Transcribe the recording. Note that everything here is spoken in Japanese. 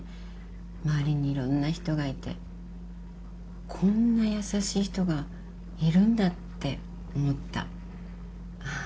周りにいろんな人がいてこんな優しい人がいるんだって思った。